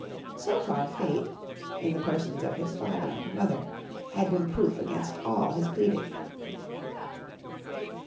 So far Fate, in the persons of his father and mother, had been proof against all his pleading.